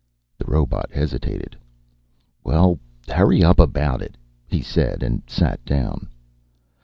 The robot hesitated. "Well, hurry up about it," he said, and sat down.